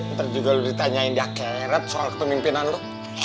ntar juga lo ditanyain diakeret soal ketemimpinan lo